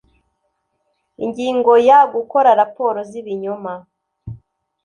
Ingingo ya Gukora raporo z ibinyoma